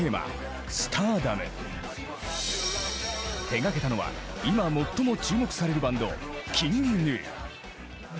手がけたのは今最も注目されるバンドＫｉｎｇＧｎｕ。